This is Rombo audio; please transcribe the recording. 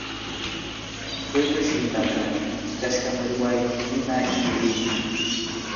Swee trweshinda kaa ikashika mweri wa ikumi ha ivili.